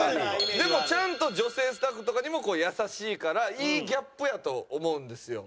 でもちゃんと女性スタッフとかにも優しいからいいギャップやと思うんですよ。